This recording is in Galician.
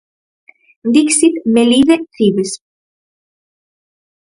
Dixit Melide Cibes.